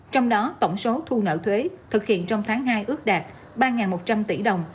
trong đó tổng số thu nợ thuế thực hiện trong tháng hai ước đạt ba một trăm linh tỷ đồng